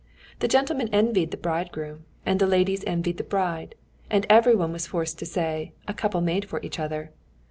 The gentlemen envied the bridegroom, and the ladies envied the bride, and every one was forced to say: 'A couple made for each other.'